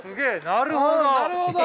なるほど。